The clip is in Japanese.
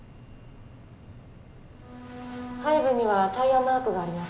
背部にはタイヤマークがあります。